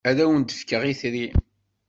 Ad awen-d-fkeɣ itri.